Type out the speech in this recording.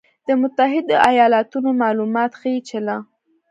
له متحدو ایالتونو مالومات ښیي چې له